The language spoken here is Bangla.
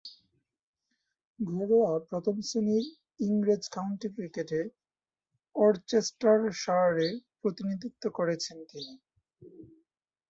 ঘরোয়া প্রথম-শ্রেণীর ইংরেজ কাউন্টি ক্রিকেটে ওরচেস্টারশায়ারের প্রতিনিধিত্ব করেছেন তিনি।